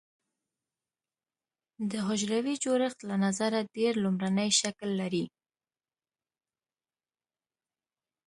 د حجروي جوړښت له نظره ډېر لومړنی شکل لري.